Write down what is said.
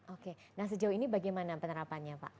oke nah sejauh ini bagaimana penerapannya pak